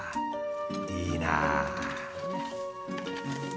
いいなあ。